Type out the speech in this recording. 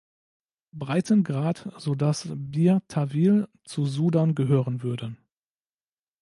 Breitengrad, sodass Bir Tawil zu Sudan gehören würde.